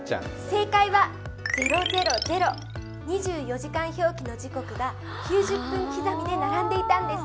正解は０００、２４時間時刻の表記が９０分刻みで並んでいたんです。